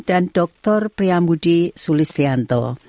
dan dr priyamudi sulistianto